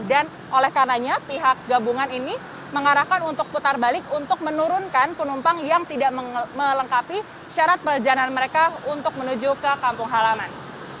dan oleh karanya pihak gabungan ini mengarahkan untuk putar balik untuk menurunkan penumpang yang tidak melengkapi syarat perjalanan mereka untuk menuju ke kampung halaman